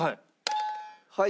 はい。